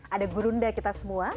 ada gurunda kita semua